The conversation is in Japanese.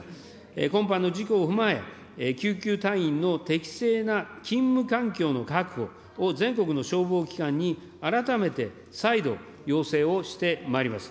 今般の事項を踏まえ、救急隊員の適切な勤務環境の確保を全国の消防機関に改めて、再度要請をしてまいります。